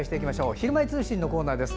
「ひるまえ通信」のコーナーです。